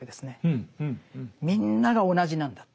みんなが同じなんだと。